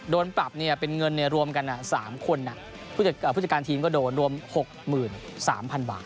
โดนปรับเป็นเงินรวมกัน๓คนผู้จัดการทีมก็โดนรวม๖๓๐๐๐บาท